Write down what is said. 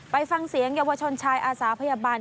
ไปฟังเสียงเยาวชนชายอาสาพยาบาล